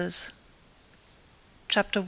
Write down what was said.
CHAPTER I.